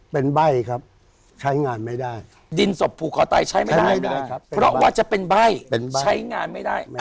เพราะว่าจะเป็นใบใช้งานไม่ได้